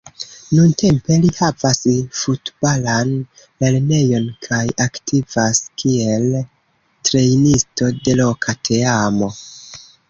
Nuntempe li havas futbalan lernejon kaj aktivas kiel trejnisto de loka teamo.